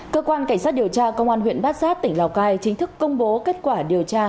cơ quan cảnh sát điều tra công an huyện bát sát tỉnh lào cai chính thức công bố kết quả điều tra